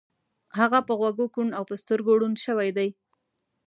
هغه په غوږو کوڼ او په سترګو ړوند شوی دی